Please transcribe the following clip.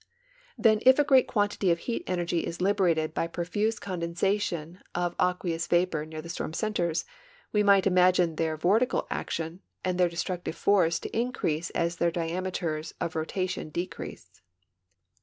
Then if a great quan titj^ of heat energy is liberated b}'^ profuse condensation of aque ous vapor near the storm centers, we might imagine their vortical action and their destructive force to increase as their diameters of rotation decrease.